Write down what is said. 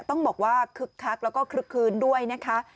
ต้องบอกว่าคึกคักแล้วก็คลึกคืนด้วยนะคะ